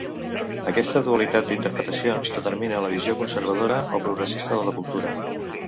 Aquesta dualitat d'interpretacions determina la visió conservadora o progressista de la cultura.